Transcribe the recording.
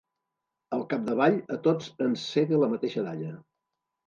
Al capdavall a tots ens sega la mateixa dalla.